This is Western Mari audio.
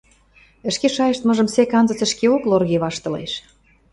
ӹшке шайыштмыжым сек анзыц ӹшкеок лорге ваштылеш.